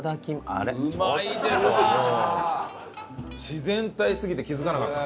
自然体すぎて気付かなかった。